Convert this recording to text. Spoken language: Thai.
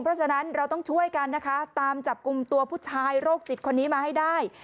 เพราะฉะนั้นเราต้องช่วยกันนะคะตามจับกลุ่มตัวผู้ชายโรคจิตคนนี้มาให้ได้